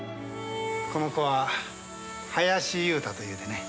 この子は林雄太というてね。